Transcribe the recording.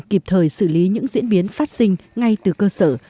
kịp thời xử lý những diễn biến phát sinh ngay từ cơ sở